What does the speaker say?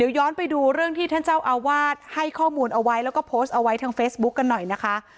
ย้อนไปดูเรื่องที่ท่านเจ้าอาวาสให้ข้อมูลเอาไว้แล้วก็โพสต์เอาไว้ทางเฟซบุ๊คกันหน่อยนะคะ